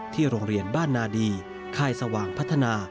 โรงเรียนบ้านนาดีค่ายสว่างพัฒนา